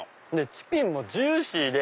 チキンもジューシー！